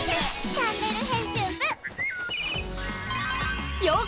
チャンネル編集部」へ！